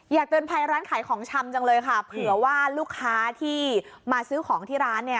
อยากเตือนภัยร้านขายของชำจังเลยค่ะเผื่อว่าลูกค้าที่มาซื้อของที่ร้านเนี่ย